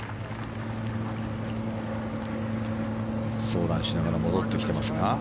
相談しながら戻ってきてますが。